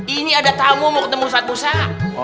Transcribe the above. ini ada tamu mau ketemu ust musa